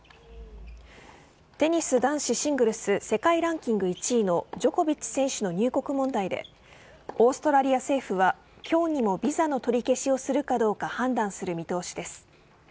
テニス男子シングルス世界ランキング１位のジョコビッチ選手の入国問題でオーストラリア政府は今日にもビザの取り消しをするかどうか判断する見通しです。